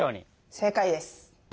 正解です。